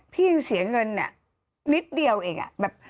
ยังเสียเงินนิดเดียวเอง